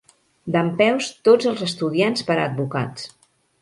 Dempeus tots els estudiants per a advocats.